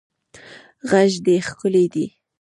غږ دې ښکلی دی